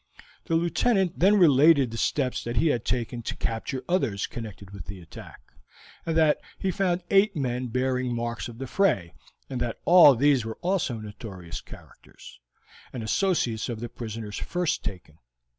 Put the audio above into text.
The Lieutenant then related the steps that he had taken to capture others connected with the attack, and that he found eight men bearing marks of the fray, and that all these were also notorious characters, and associates of the prisoners first taken.